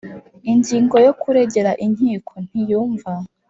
ingingo y ukuregera inkiko ntiyumva